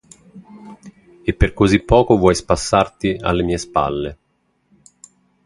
E per così poco vuoi spassarti alle mie spalle.